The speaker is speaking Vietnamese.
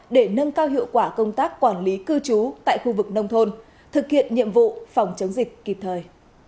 để nâng cao hiệu quả công tác quản lý cư trú tại khu vực nông thôn thực hiện nhiệm vụ phòng chống dịch kịp thời